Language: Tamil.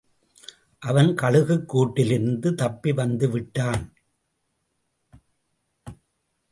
அவன் கழுகுக் கூட்டிலிருந்து தப்பி வந்துவிட்டான்.